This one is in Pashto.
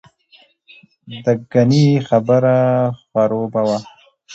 دګنې خبره خروبه وه.